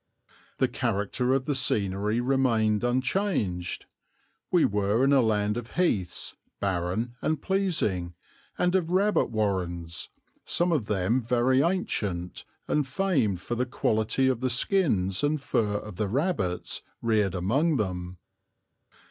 The character of the scenery remained unchanged. We were in a land of heaths, barren and pleasing, and of rabbit warrens, some of them very ancient and famed for the quality of the skins and fur of the rabbits reared among them.